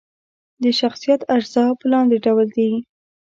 د شخصیت اجزا په لاندې ډول دي: